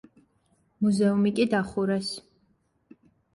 მუზეუმი კი დახურეს.